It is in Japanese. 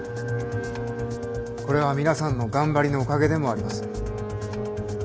これは皆さんの頑張りのおかげでもあります。